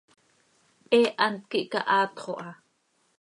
He hant quih cahaatxo ha.